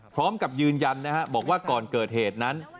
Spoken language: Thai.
พร้อมกับยืนยันนะฮะบอกว่าก่อนเกิดเหตุนั้น